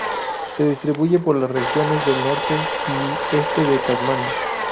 Se distribuye por las regiones del norte y este de Tasmania.